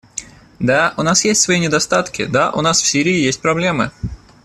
Да, у нас есть свои недостатки; да, у нас в Сирии есть проблемы.